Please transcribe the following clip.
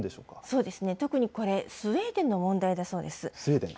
特にこれ、スウェーデンの問題だそうです。